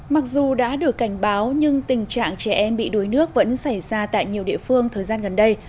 mặc dù đã được cảnh báo nhưng tình trạng trẻ em bị đuối nước vẫn xảy ra tại nhiều địa phương thời gian gần đây